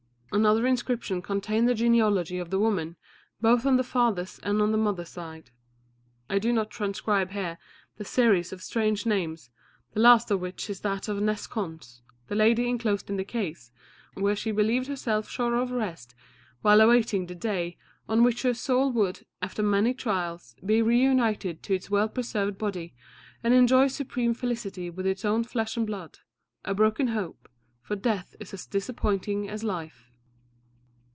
Another inscription contained the genealogy of the woman, both on the father's and on the mother's side. I do not transcribe here the series of strange names, the last of which is that of Nes Khons, the lady enclosed in the case, where she believed herself sure of rest while awaiting the day on which her soul would, after many trials, be reunited to its well preserved body, and enjoy supreme felicity with its own flesh and blood; a broken hope, for death is as disappointing as life.